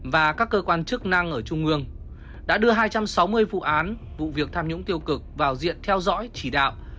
và các cơ quan chức năng ở trung ương đã đưa hai trăm sáu mươi vụ án vụ việc tham nhũng tiêu cực vào diện theo dõi chỉ đạo